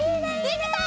できた！